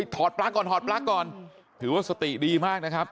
ทอดปรักค์ก่อนก่อนถือว่าสติดีมากนะครับ